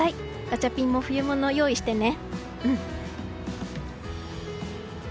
ガチャピンも冬物、用意してね。